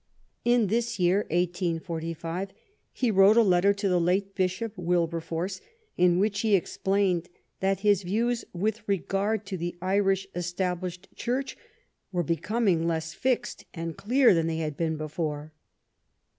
In this year, 1845, he wrote a letter to the late Bishop Wilberforce, in which he explained that his views with regard to the Irish Established Church were becoming less fixed and clear than they had been before.